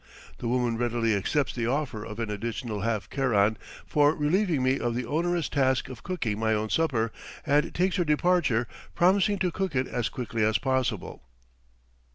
The woman readily accepts the offer of an additional half keran for relieving me of the onerous task of cooking my own supper, and takes her departure, promising to cook it as quickly as possible.